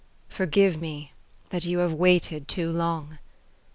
Forgive me that you have waited too long.